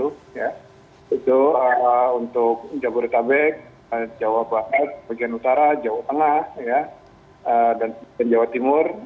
itu untuk jabodetabek jawa barat bagian utara jawa tengah dan jawa timur